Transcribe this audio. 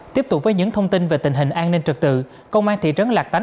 tiếp tục với những thông tin về tình hình an ninh trật tự công an thị trấn lạc tánh